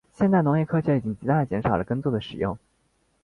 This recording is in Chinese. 现代农业科学已经极大地减少了耕作的使用。